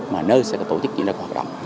mà nơi sẽ có tổ chức chuyên gia hoạt động